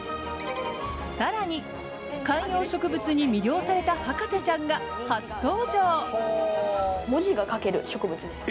更に、観葉植物に魅了された博士ちゃんが初登場。